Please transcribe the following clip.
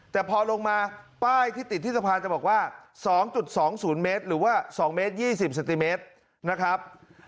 แต่พอลงมาป้ายที่ติดที่สะพานจะบอกว่า๒๒๐เมตรหรือว่า๒เมตร๒๐เซนติเมตรนะครับ